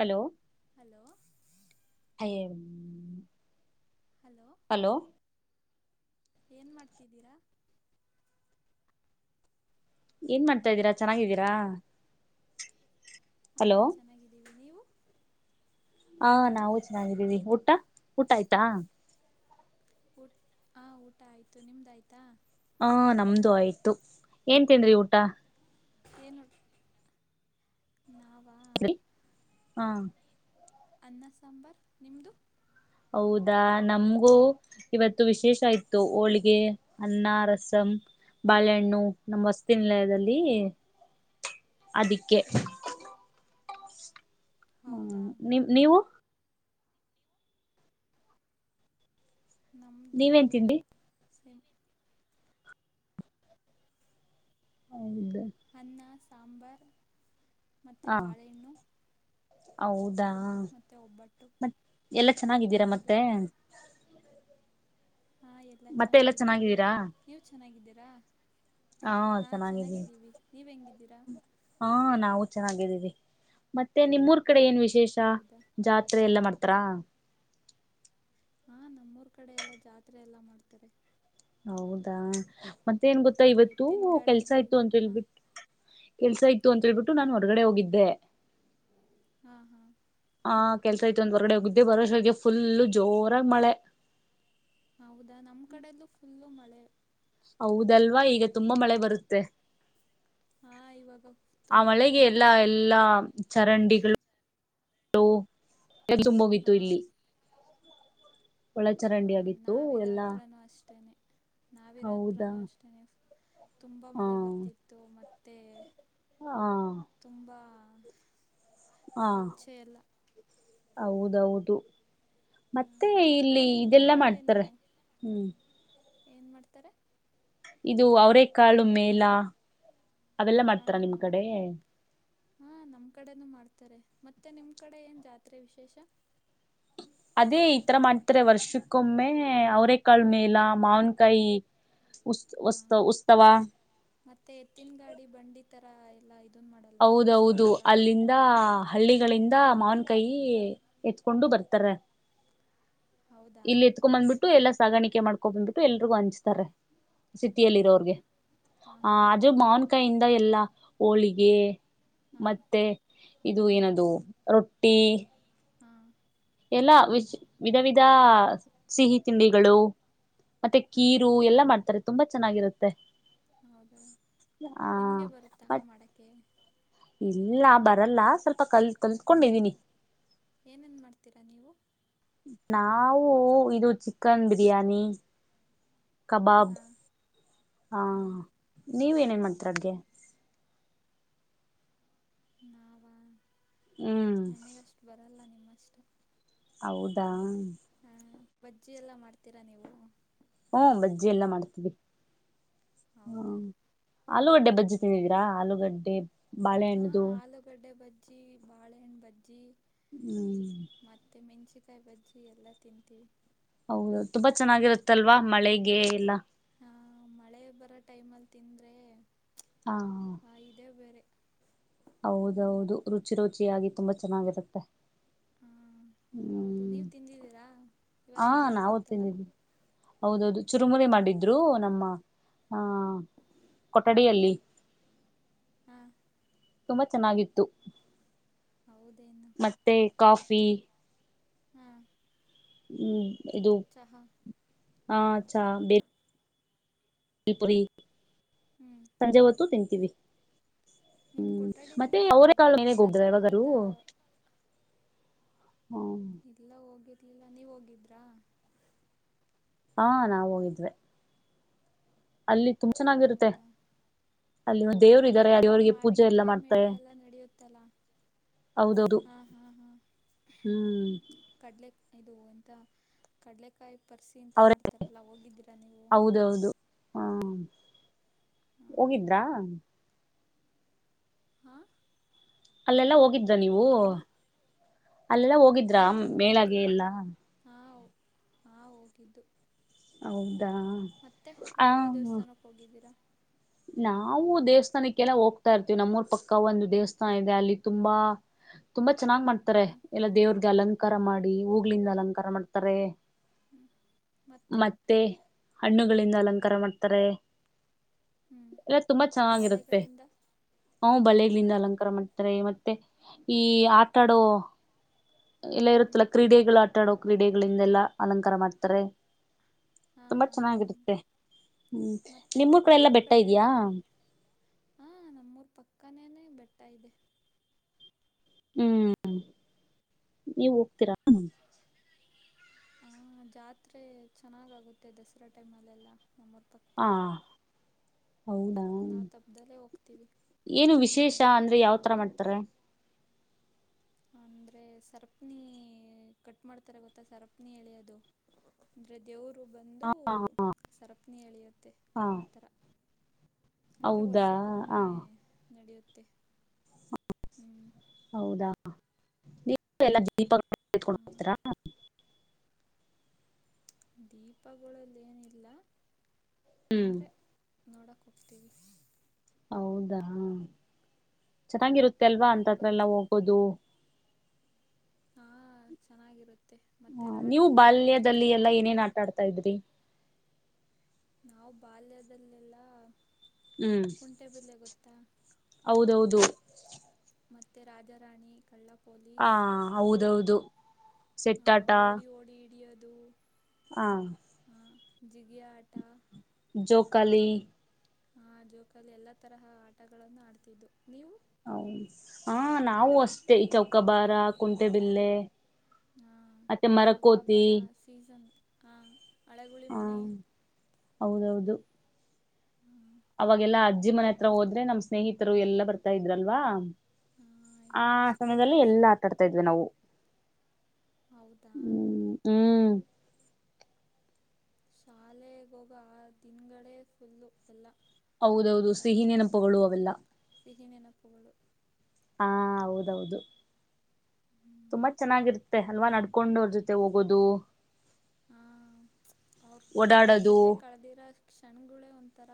Hello hello [unintelligible] hello hello ಏನ್ ಮಾಡ್ತಿದ್ದೀರಾ ಏನ್ ಮಾಡ್ತಾ ಇದ್ದೀರಾ ಚೆನ್ನಾಗಿದ್ದೀರಾ ಹಾ ಹಲೋ ಚೆನ್ನಾಗಿದ್ದೀವಿ ನೀವು ಹಾ ಹಲೋ ನಾವು ಚೆನ್ನಾಗಿದ್ದೀವಿ ಊಟ ಊಟ ಆಯ್ತಾ ಊಟ್ ಹಾಂ ಊಟ ಆಯಿತು ನಿಮ್ದಾಯ್ತಾ ಹ ನಮ್ದು ಆಯ್ತು ಏನ್ ತಿಂದ್ರಿ ಊಟ ಏನುೋ ನಾವ ಹಾ ಅನ್ನ ಸಾಂಬಾರ್ ನಿಮ್ಮದು ಹೌದಾ ನಮ್ಗೂ ಇವತ್ತು ವಿಶೇಷ ಇತ್ತು ಹೋಳಿಗೆ ಅನ್ನ ರಸಂ ಬಾಳೆಹಣ್ಣು ನಮ ಹೊಸ್ತಿಿನಲಯದಲ್ಲಿ ಅದಿಕ್ಕೆ ಹಾಂ ಹ್ಮ್ ಹೌದಾ ನಿ್ ನೀವು ನಮ್ಮದುೂ ನೀವೇನ್ ತಿಂಡಿ ಸೇಮ್ ಹೌದು ಅನ್ನ ಸಾಂಬಾರು ಮತ್ತು ಹ ಬಾಳೆಹಣ್ಣು ಹೌದಾ ಮತ್ತು ಒಬ್ಬಟ್ಟು ಮ ಎಲ್ಲ ಚೆನ್ನಾಗಿದ್ದೀರಾ ಹೌದು ಮತ್ತೆ ಹಾ ಎಲ್ಲ ಮತ್ತೆ ಎಲ್ಲಾ ಚೆನ್ನಾಗಿದ್ದೀವಿ ಚೆನ್ನಾಗಿದ್ದೀರಾ ನೀವು ಚೆನ್ನಾಗಿದ್ದೀರಾ ಹಾಂ ಚೆನ್ನಾಗಿದ್ದೀವಿ ನೀವು ಹೆಂಗಿದ್ದೀರಾ ಹಾ ನಾವು ಚೆನ್ನಾಗಿದ್ದೀವಿ ಮತ್ತೆ ನಿಮ್ಮೂರ್ ಕಡೆ ಏನ್ ವಿಶೇಷ ಹೌದಾ ಜಾತ್ರೆ ಎಲ್ಲ ಮಾಡ್ತಾರಾ ಹಾ ನಮ್ಮೂರ್ ಕಡೆ ಎಲ್ಲಾ ಜಾತ್ರೆ ಎಲ್ಲಾ ಮಾಡ್ತಾರೆ ಹೌದಾ ಮತ್ತೆ ಏನ್ ಗೊತ್ತಾ ಹಾ ಇವತ್ತು ಎತ್ತಿನ ಕೆಲ್ಸ ಗಾಡಿಲಿ ಆಯ್ತು ಅಂತ ಹಾ ಹೇಳ್ಬಿಟ್ಟು ಕೆಲ್ಸ ಇತ್ತು ಅಂತ ಹೇಳ್ಬಿಟ್ಟು ನಾನು ಹೊರಗಡೆ ಹೋಗಿದ್ದೆ ಹಾ ಹಾ ಆ ಕೆಲ್ಸ ಐತ್ ಒಂದ ಹೊರ್ಗಡೆ ಹಗ್ದೆ ಬರುವವಷಗೆ ಫುಲ್ಲು ಜೋರಾಗ ಮಳೆ ಹೌದಾ ನಮ್ಮ ಕಡಲ್ಲೂ ಫುಲ್ಲು ಮಳೆ ಹೌದಲ್ವಾ ಈಗ ತುಂಬಾ ಮಳೆ ಬರುತ್ತೆ ಹಾ ಇವಾಗ ಆ ತುಂಬ ಮಳೆಗೆ ಮಳೆ ಎಲ್ಲಾ ಜಾಸ್ತಿ ಎಲ್ಲಾ ಚರಂಡಿಗಳು ಎ ತುಂಬೋಗಿತ್ತು ಹಾ ಇಲ್ಲಿ ಒಳ ಚರಂಡಿ ಹ ಆಗಿತ್ತು ಎಲ್ಲಾ ನಾವಿರಾತ್ರನುೂ ಅಷ್ಟೇನೆ ಹೌದಾ ನಾವಿರಾತ್ರನುೂ ಅಷ್ಟೇನೆ ತುಂಬಾ ಹಾ ಮಳೆ ಬರ್ತಿತ್ತು ಮತ್ತೆ ಹಾ ತುಂಬಾ ಹಾ ಹೌದೌದು ಹಾಂ ಮತ್ತೆ ಮತ್ತು ಇಲ್ಲಿ ನಿಮ್ಮ ಇದೆಲ್ಲಾ ಮಾಡ್ತಾರೆ ಹ್ಮ್ ಏನ್ ಮಾಡ್ತಾರೆ ಇದು ಅವರೇ ಕಾಳು ಮೇಲ ಹ್ಮ ಹಾ ಹಾ ನಮ್ಮ್ ಕಡೆನೂ ಮಾಡ್ತಾರೆ ಮತ್ತೆ ನಿಮ್ ಕಡೆ ಏನ್ ಜಾತ್ರೆ ವಿಶೇಷ ಅದೇ ಈಥರ ಮಾಡ್ತಾರೆ ವರ್ಷಕ್ಕೊಮ್ಮೆ ಅವರ ಕಾಳ ಮೇಲ ಮಾವನ್ಕಾಯಿ ಉಸ್ ಹಾಂ ಉಸ್ತ ಉತ್ಸವ ಮತ್ತೆ ಎತ್ತಿನ ಗಾಡಿ ಬಂಡಿ ತರ ಎಲ್ಲ ಇದನ್ನ ಮಾಡಲ್ವಾ ಉತ್ಸವ ಹೌದೌದು ಥರ ಅಲ್ಲಿಂದ ಹಳ್ಳಿಗಳಿಂದ ಹ್ಞೂ ಮಾವನ್ ಕಾಯಿ ಎತ್ಕೊಂಡು ಬರ್ತಾರೆ ಹೌದಾ ಇಲ್ಲಿ ಎತ್ಕೊಂಡ್ ಬಂದ್ಬಿಟ್ಟು ಎಲ್ಲ ಸಾಗಾಣಿಕೆ ಮಾಡ್ಕೊಂಡ್ ಬಂದ್ಬಿಟ್ಟು ಎಲ್ರಿಗೂ ಹಂಚ್ತಾರೆ ಸಿಿತಿಯಲ್ಲಿ ಇರೋರ್ಗೆ ಹೌದಾ ಹಾಂ ಹ ಹಾಂ ಅಜು ಹಾಂ ಮನ್ ಕೈಯಿಂದ ಎಲ್ಲ ಹೋಳಿಗೆ ಹಾಂ ಮತ್ತೆ ಇದು ಏನದು ರೊಟ್ಟಿ ಹಾ ಎಲ್ಲಾ ವಿಧ ವಿಧ ಸಿಹಿ ತಿಂಡಿಗಳು ಮತ್ತೆ ಹಾಂ ಕೀರು ಎಲ್ಲಾ ಮಾಡ್ತಾರೆ ತುಂಬಾ ಚೆನ್ನಾಗಿರುತ್ತೆ ಹೌದಾ ಆ ನಿಮ್ಗೆ ಬರುತ್ತ ಬಟ್ ಮಾಡಕೆ ಇಲ್ಲ ಬರಲ್ಲ ಸ್ವಲ್ಪ ಕಲ್ತ್ ಕಲ್ತ್ಕೊಂಡಿದೀನಿ ಏನೇನ್ ಮಾಡ್ತೀರಾ ನೀವು ನಾವು ಇದು ಚಿಕನ್ ಬಿರಿಯಾನಿ ಕಬಾಬ್ ಹಾಂ ಹಾ ಹಾಂ ನೀವ ಏನೇನ್ ಮಾಡ್ತರ ಅದಗೆ [inaudible] ಹ್ಮ ನಮಗಷ್ಟು ಬರಲ್ಲ ನಿಮ್ಮಷ್ಟು ಹೌದಾ ಹಾ ಬಜ್ಜಿ ಎಲ್ಲಾ ಮಾಡ್ತೀರಾ ನೀವು ಹ್ಮ ಬಜ್ಜಿ ಎಲ್ಲ ಮಾಡ್ತವಿ ಹ್ಮ ಹೌದಾ ಆಲೂಗಡ್ಡೆ ಬಜ್ಜು ತಿಂದಿದಿರಾ ಆಲೂಗಡ್ಡೆ ಹಾ ಬಾಳೆಹಣ್ಣದು ಆಲೂಗಡ್ಡೆ ಬಜ್ಜಿ ಬಾಳೆಹಣ್ಣು ಬಜ್ಜಿ ಹ್ಮ್ ಮತ್ತು ಮೆಣಸಿಕಾಯಿ ಬಜ್ಜಿ ಎಲ್ಲ ತಿಂತೀವಿ ಹೌದು ತುಂಬಾ ಚೆನ್ನಾಗಿರುತ್ತಲ್ವಾ ಮಳೆಗೆ ಎಲ್ಲ ಹಾಂ ಮಳೆ ಬರೋ ಟೈಮಲ್ಲಿ ತಿಂದರೆ ಹಾ ಕಾಯದೆ ಬೇರೆ ಹೌದೌದು ರುಚಿ ರುಚಿಿಯಾಗಿಿ ತುಂಬಾ ಚೆನ್ನಾಗಿರುತ್ತೆ ಹಾಂ ಹೌದು ಹ್ಮ್ ನೀವ್ ತಿಂದಿದೀರಾ ಹಾ ಇವತ್ ಮಳೆ ನಾವು ಬಂತಲ್ಲ ತಿಂದಿದ್ವಿ ಹೌದೌದು ಚುರುಮುನೆ ಮಾಡಿದ್ರು ನಮ್ಮ ಹಾ ಕೊಠಡಿಯಲ್ಲಿ ಹಾ ತುಂಬಾ ಚೆನ್ನಾಗಿತ್ತು ಹೌದೇನು ಮತ್ತೆ ಕಾಫಿ ಹಾ ಹ್ಮ್ ಇದು ಚಹ ಹಾ ಅ ಚಾ ಬೇರೆ ಇಲ್ಪುರಿ ಹ್ಞೂ ಸಂಜೆ ಹೊತ್ತು ತಿಂತೀವಿ ನಿಮ್ಮ ಹ್ಮ್ ಮತ್ತೆ ಕೊಠಡಿಲಿ ಅವ ಮ ಎಲ್ಲ ಹೋಗ್ರ ಯಾವಾಗೂ ತರಹದ [inaudible] ಇಲ್ಲ ಹೋಗಿರ್ಲಿಲ್ಲ ನೀವು ಹೋಗಿದ್ರಾ ಹಾ ನಾವು ಹೋಗಿದ್ವೆ ಅಲ್ಲಿ ತುಂಬ ಚೆನ್ನಾಗಿರುತ್ತೆ. ಅಲ್ಲಿ ದೇವ್ರು ಇದ್ದಾರೆ ಹಾ ದೇವ್ರಿಗೆ ಪೂಜೆ ಎಲ್ಲಾ ಮಾವಿನಕಾಯಿ ಮೇಳ ಮಾಡ್ತಾರೆ ಎಲ್ಲ ನಡೆಯುತ್ತಲಾ. ಹೌದೌದು ಹಾ ಹಾ ಹ್ಅಂ ಹ್ಮ್ ಕಡಲೆ ಇದು ಎಂತ ಕಡಲೆಕಾಯಿ ಪರ್ಸಿ ಅಂತ ಅವ್ರ ಮಾಡ್ತಾರಲ್ಲ ಹೋಗಿದ್ದೀರಾ ನೀವು. ಹೌದೌದು. ಹಾ ಹಾಂ ಹೋಗಿದ್ರಾ. ಹಾಂ ಅಲ್ಲೆಲ್ಲ ಹೋಗಿದ್ರ ನೀವು ಏನು ಅಲ್ಲೆಲ್ಲ ಹೋಗಿದ್ರ ಮೇಳಾಗೆ ಎಲ್ಲಾ. ಹಾ ಹೋ ಹಾ ಹೋಗಿದ್ದು. ಹೌದಾ ಮತ್ತೆ ಆ ಯಾವ್ಯಾವ ದೇವಸ್ಥಾನಕ್ಕೆ ಹೋಗಿದ್ದೀರಾ. ನಾವು ದೇವಸ್ಥಾನಕ್ಕೆಲ್ಲ ಹೋಗ್ತಾ ಇರ್ತೀವಿ ನಮ್ಮೂರ್ ಪಕ್ಕ ಒಂದು ದೇವಸ್ಥಾನ ಇದೆ ಅಲ್ಲಿ ತುಂಬಾ. ತುಂಬಾ ಚೆನ್ನಾಗ್ ಮಾಡ್ತಾರೆ ಹ್ಞೂ ಎಲ್ಲಾ ದೇವ್ರಗೆ ಅಲಂಕಾರ ಮಾಡಿ ಹೂಗ್ಲಿಂದ ಅಲಂಕಾರ ಮಾಡ್ತಾರೆ. ಹ್ಞೂ ಮತ್ತೆ ಹಣ್ಣುಗಳಿಂದ ಅಲಂಕಾರ ಮಾಡ್ತಾರೆ. ಹ್ಞೂ ಎಲ್ಲ ತುಂಬಾ ಚೆನ್ನಾಗಿರುತ್ತೆ. ಬಳೆಗಳಿಂದ ಹ್ ಬಳೇಲಿಂದ ಅಲಂಕಾರ ಮಾಡ್ತಾರೆ ಮತ್ತೆ ಈ ಆಟಾಡೋ. ಎಲ್ಲ ಹ್ಞೂ ಇರುತ್ತಲ್ಲ ಕ್ರೀಡೆಗಳು ಆಟ ಆಡೋ ಕ್ರೀಡೆಗಳಿಂದೆಲ್ಲಾ ಅಲಂಕಾರ ಮಾಡ್ತಾರೆ. ಹಾಂ ತುಂಬಾ ಹಾಂ ಹಾಂ ಚೆನ್ನಾಗಿರುತ್ತೆ. ಹ್ಮ್ ಮತ್ತೆ ನಿಮ್ಮೂ ಕಡೆ ಎಲ್ಲಾ ಬೆಟ್ಟ ಇದ್ಯಾ. ಹಾ ನಮ್ಮೂರ್ ಪಕ್ಕನೇನೆ ಬೆಟ್ಟ ಇದೆ. ಹ್ಮ್ ನೀವ್ ಹೋಗ್ತೀರಾ. ಜಾತ್ರೆ ಚೆನ್ನಾಗಾಗುತ್ತೆ ದಸರಾ ಟೈಮಲ್ಲೆಲ್ಲ ನಮ್ಮರ ಪಕ್ಕ್ ಹಾ ಹೌದಾ. ನಾವು ತಪ್ಪ್ದಲ್ಲೇ ಹೋಗ್ತೀವಿ. ಏನು ವಿಶೇಷ ಹ್ಞೂ ಅಂದ್ರೆ ಯಾವ ತರ ಮಾಡ್ತಾರೆ. ಅಂದರೆ ಸರಪ್ನಿ ಕಟ್ ಮಾಡ್ತಾರೆ ಗೊತ್ತಾ ಸರಪ್ನಿ ಎಳೆಯೋದು. ಅಂದರೆ ದೇವರು ಬಂದು ಹ ಸರಪ್ನಿ ಎಳೆಯುತ್ತೆ ಹ ಆ ಥರ. ಅಂದ್ರೆ ಹೌದಾ ಹ ವರ್ಷಕ್ಕೊಮ್ಮೆ ನಡೆಯುತ್ತೆ ಹ್ಮ್. ಹೌದಾ ನೀವು ಎಲ್ಲಾ ದೀಪ ಎತ್ಕೊಂಡು ಹಾಂ ಹೋಗ್ತಿರಾ. ದೀಪಗುಳಲ್ಲಿ ಏನಿಲ್ಲ. ಹ್ಮ್ ಅಂದರೆ ನೋಡಕ್ಕೆ ಹೋಗ್ತೀವಿ. ಹೌದಾ ಚೆನ್ನಾಗಿರುತ್ತೆ ಅಲ್ವಾ ಅಂತತ್ರಲ್ಲ್ ಎಲ್ಲ ಮತ್ತು ಹೋಗೋದು. ಹಾ ಚೆನ್ನಾಗಿರುತ್ತೆ. ಮತ್ತು ಹಾ ನೀವು ರಾಟೆಗಳೆಲ್ಲ ಬಾಲ್ಯದಲ್ಲಿ ಬರ್ತಾವಲ್ಲ ಎಲ್ಲಾ ಏನೇನ್ ಆಟ ಆಡ್ತಾ ಇದ್ರಿ. ನಾವು ಬಾಲ್ಯದಲ್ಲೆಲ್ಲ. ಹ್ಮ್ ಕುಂಟೆ ಬಿಲ್ಲೆ ಗೊತ್ತಾ. ಹೌದೌದು. ಮತ್ತೆ ರಾಜಾರಾಣಿ ಕಳ್ಳಪ್ ಹ ಪೊಲೀಸ್ ಹೌದೌದು ಹ ಸೆಟ್ಟಾಟ ಓಡಿ ಓಡಿ ಹಿಡಿಯೋದು. ಹಾ ಹಾ ಜಿಗಿಯ ಆಟಾ. ಜೋಕಾಲಿ. ಆ ಜೋಕಲ್ಲಿ ಎಲ್ಲಾ ತರಹ ಆಟಗಳನ್ನು ಆಡ್ತಿದ್ದು ನೀವು. ಹೌ ಹ ನಾವು ಅಷ್ಟೇ ಈ ಚೌಕಾಬಾರ ಕುಂಟೆಬಿಲ್ಲೆ. ಹಾಂ ಮತ್ತೆ ಮರಕೋತಿ ಚೌಕಾಬಾರ ಸೀಸನ್ ಹಂ ಹಳಗುಳಿ ಹ ಮನೆ ಹೌದೌದು ಹು ಅವಾಗೆಲ್ಲಾ ಅಜ್ಜಿ ಮನೆ ಹತ್ರ ಹೋದ್ರೆ ನಮ್ ಸ್ನೇಹಿತರು ಎಲ್ಲಾ ಬರ್ತಾ ಇದ್ರಲ್ವಾ ಹಾಂ ಆ ಸ್ಕೂಲ್ ಸಮಯದಲ್ಲಿ ಡೇಸ್ ಎಲ್ಲಾ ಆಟಾಡ್ತಾ ಇದ್ವಿ ನಾವು ಹೌದಾ ಹ್ಮ್ ಹ್ಮ್ ಶಾಲೆಗೋಗ ದಿನಗಳೆ ಫುಲ್ಲು ಎಲ್ಲ ಹೌದೌದು ಅಂತ ಸಿಹಿ ನೆನಪಗಳು ಅವೆಲ್ಲ ಸಿಹಿ ನೆನಪುಗಳು ಹಾ ಹೌದೌದು ತುಂಬಾ ಚೆನ್ನಾಗಿರ್ ಮೆ ಹಲ್ವ ನಡ್ಕೊಂಡ್ ಅವ್ರ ಜೊತೆ ಹೋಗೋದು ಹಾ ಅವ್ರ ಅವ್ರ ಓಡಾಡೋದು ಜೊತೆ ಕಳೆದಿರ ಕ್ಷಣ್ಗಳೇ ಒಂಥರ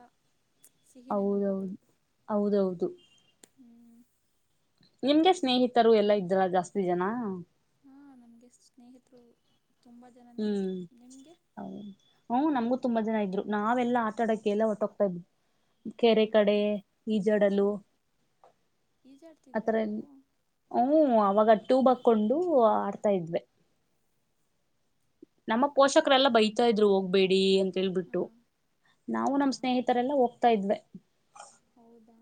ಸಿಹಿ ನೆನಪುಗಳು ಹೌದೌದು ಹೌದೌದು ಹಾಂ ನಿಮ್ಗೆ ಸ್ನೇಹಿತರು ಎಲ್ಲಾ ಇದ್ದಾರ ಜಾಸ್ತಿ ಜನ ನಮಗೆ ಸ್ನೇಹಿತರು ತುಂಬ ಜನನೇ ಇದ್ರು ನಿಮಗೆ ಹ ಹ್ಮ್ ನಮ್ಗೂ ತುಂಬಾ ಜನ ಇದ್ರು ನಾವೆಲ್ಲಾ ಆಟ ಆಡಕ್ಕೆ ಎಲ್ಲ ಹೋಟ್ಟೋಗ್ತಾ ಇದವಿ ಕೆರೆ ಹಾಂ ಹಾಂ ಕಡೆ ಹಾಂ ಈಜಡಲು ಹಾಂ ಈಜಾಡ್ತಿದ್ರಾ ಆತರ ನೀವು ಎ ಹ ಅವಾಗ ಟೂಬ ಹಾಕೊಂಡು ಆಡ್ತಾ ಇದ್ವೆ ನಮ್ಮ ಪೋಷಕರೆಲ್ಲ ಬೈತಾ ಇದ್ರು ಹೋಗ್ಬೇಡಿ ಅಂತ ಹೇಳ್ಬಿಟ್ಟು ಹಾಂ ನಾವು ನಮ್ಮ್ ಹೌದಾ ಸ್ನೇಹಿತ ತರೆಲ್ಲ ಹೋಗ್ತಾ ಇದ್ವೆ ಹೌದಾ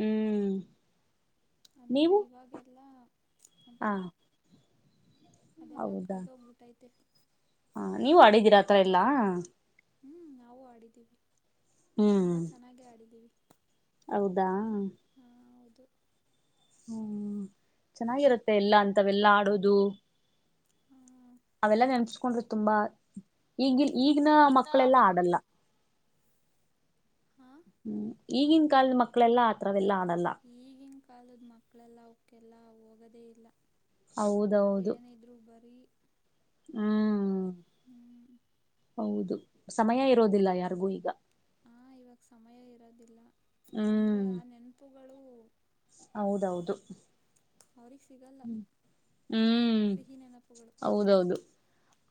ಹ್ಮ್ ಅಂದ್ರೆ ನೀವು ಇವಾಗೆಲ್ಲ ಹ ಒಂತರ ಅದೆಲ್ಲ ಕಳೆದ ಹೋಗ್ಬಿಟ್ಟೈತೆ ಹಾ ನೀವು ಆಡಿದ್ದೀರಾ ಆತರ ಎಲ್ಲಾ ಹ್ಮ್ ನಾವು ಆಡಿದೀವಿ ಹ್ಮ್ ತುಂಬಾ ಚೆನ್ನಾಗೆ ಆಡಿದ್ದೀವಿ ಹೌದಾ ಹ ಹೌದು ಹ್ಮ್ ಚೆನ್ನಾಗಿರುತ್ತೆ ಎಲ್ಲ ಅಂತವೆಲ್ಲಾ ಆಡೋದು ಹ್ಮ ಅವೆಲ್ಲಾ ನೆನಸ್ಕೊಂಡ್ರೆ ತುಂಬಾ ಈಗ ಈಗಿನ ಮಕ್ಕಳೆಲ್ಲಾ ಆಡಲ್ಲ ಹಾ ಹ್ಮ್ ಈಗಿನ ಕಾಲದ ಮಕ್ಕಳೆಲ್ಲಾ ಆತರವೆಲ್ಲಾ ಆಡಲ್ಲ ಈಗಿನ ಕಾಲದ ಮಕ್ಕಳೆಲ್ಲ ಅವಕ್ಕೆಲ್ಲ ಹೋಗದೇ ಇಲ್ಲ ಹೌದೌದು ಏನ ಇದ್ರು ಬರೀ ಹ್ಮ ಹ್ಮ್ ಹೌದು ಸಮಯ ಇರೋದಿಲ್ಲ ಯಾರಿಗೂ ಈಗ ಹಾಂ ಇವಾಗ ಸಮಯ ಇರೋದಿಲ್ಲ ಅಂದರೆ ಹ್ಮ್ ಆ ನೆನಪುಗಳು ಹೌದೌದು ಅವ್ರಿಗೆ ಸಿಗಲ್ಲ ಹ್ಮ್ ಸಿಹಿ ನೆನಪುಗಳು ಹೌದೌದು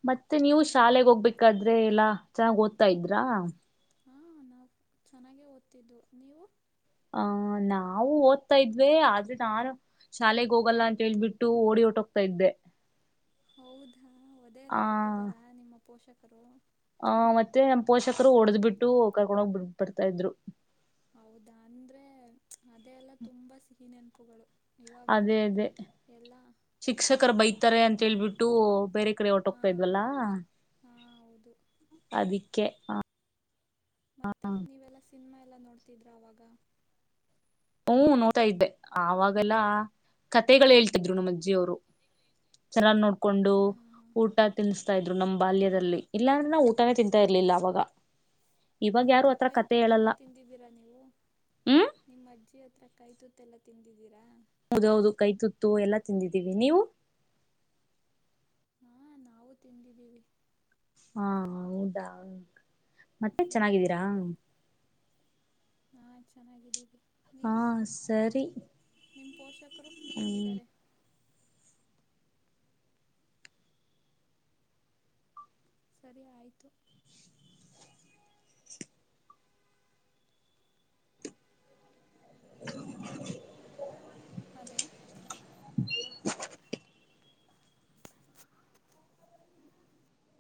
ಮತ್ತೆ ನೀವು ಹ್ಞೂ ಶಾಲೆಗ್ ಹೋಗ್ಬೇಕಾದ್ರೆ ಎಲ್ಲಾ ಚೆನ್ನಾಗ್ ಓದ್ತಾ ಇದ್ರಾ ಚೆನ್ನಾಗೆ ಓದ್ತಿದ್ದು ನೀವು ಹ ನಾವು ಓದ್ತಾ ಇದ್ವಿ ಆದ್ರೆ ನಾನು ಶಾಲೆಗೆ ಹೋಗಲ್ಲ ಅಂತ ಹೇಳ್ಬಿಟ್ಟು ಓಡಿ ಒಟೋಗ್ತಾ ಇದ್ದೆ. ಹೌದಾ ಒದೆ ಎಲ್ಲಾ ಆ ಕೊಟ್ಟಿದ್ದಾರಾ ನಿಮ್ಮ ಪೋಷಕರು. ಆ ಮತ್ತೆ ನಮ್ಮ ಪೋಷಕರು ಒಡೆದ್ ಬಿಟ್ಟು ಕರ್ಕೊಂಡು ಹೋಗ್ ಬಿಡ್ಬಡ್ತಾ ಇದ್ರು. ಹೌದಾ ಅಂದ್ರೆ ಅದೆ ಎಲ್ಲ ತುಂಬಾ ಸಿಹಿ ನೆನಪುಗಳು. ಇವಾಗ ಅದೇ ಅದೇ ಎಲ್ಲ ಶಿಕ್ಷಕರು ಬೈತಾರೆ ಅಂತೇಳ್ಬಿಟ್ಟು ಬೇರೆ ಕಡೆ ಹೊಟ್ಟೊಗ್ತಾ ಇದ್ವಲ್ಲ. ಹಾ ಹೌದು ಅದಿಕ್ಕೆ ಹ ಮತ್ತೆ ನೀವೆಲ್ಲಾ ಸಿನಿಮಾ ಎಲ್ಲಾ ನೋಡ್ತಿದ್ರಾ ಅವಾಗ. ಹ್ಮ ನೋಡ್ತಾ ಇದ್ದೆ ಆವಾಗೆಲ್ಲ ಕತೆಗಳು ಹೇಳ್ತಿದ್ರು ನಮ್ಮ ಅಜ್ಜಿಯವರು. ಚೆನ್ನಾಗಿ ನೋಡ್ಕೊಂಡು ಹಾಂ ಹಾಂ ಹಾಂ ಊಟ್ ಟ ತಿನಿಸ್ತಾ ಇದ್ರು ನಮ್ಮ್ ಹಾಂ ಬಾಲ್ಯದಲ್ಲಿ ಇಲ್ಲಾಂದ್ರೆ ನಾ ಊಟಾನೇ ತಿಂತಾ ಇರ್ಲಿಲ್ಲ ಅವಾಗ. ಇವಾಗ ಯಾರು ಮತ್ತೆ ಆತರ ಕೈ ಕತೆ ತುತ್ತೆಲ್ಲ ಹೇಳಲ್ಲ ತಿಂದಿದ್ದೀರಾ ನೀವು. ಹ್ಮ್ ನಿಮ್ಮ ಅಜ್ಜಿ ಹತ್ರ ಕೈ ತೂತೆಲ್ಲ ತಿಂದಿದ್ದೀರಾ. ಹೌದೌದು ಕೈ ತುತ್ತು ಎಲ್ಲಾ ತಿಂದಿದ್ದೀವಿ ನೀವು. ಹಾ ನಾವು ತಿಂದಿದ್ದೀವಿ. ಹಾ ಹೌದಾ ಮತ್ತೆ ಹ್ಮ್. ಚೆನ್ನಾಗಿದ್ದೀರಾ. ಹಾ ಚೆನ್ನಾಗಿದ್ದೀವಿ ಹಾ ನೀವು ಸರಿ ನಿಮ್ ಪೋಷಕರು ಹ್ಮ್ ಹೆಂಗಿದ್ದಾರೆ. ಸರಿ ಆಯ್ತು ಹ ಹಲೋ [unintelligible]